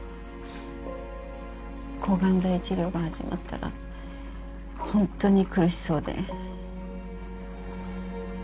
抗がん剤治療が始まったらホントに苦しそうで。